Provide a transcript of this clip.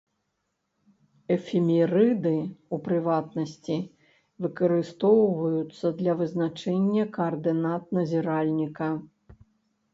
Эфемерыды, у прыватнасці, выкарыстоўваюцца для вызначэння каардынат назіральніка.